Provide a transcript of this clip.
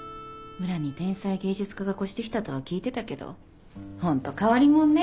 村に天才芸術家が越してきたとは聞いてたけどホント変わりもんね。